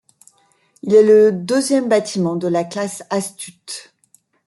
Il est le deuxième bâtiment de la classe Astute.